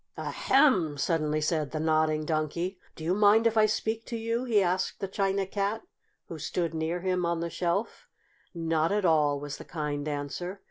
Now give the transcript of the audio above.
"Ahem!" suddenly said the Nodding Donkey. "Do you mind if I speak to you?" he asked the China Cat, who stood near him on the shelf. "Not at all," was the kind answer.